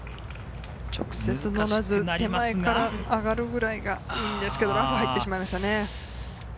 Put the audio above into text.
直接乗らず、手前から上がるくらいがいいんですけれど、ラフに入ってしまいました。